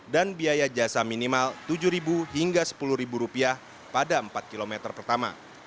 dan biaya jasa minimal rp tujuh hingga rp sepuluh pada empat kilometer pertama